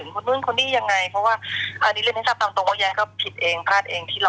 มันก็เลยไปได้